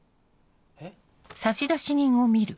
えっ？